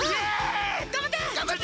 えっ⁉がんばって！